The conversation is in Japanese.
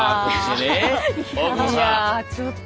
いやちょっと。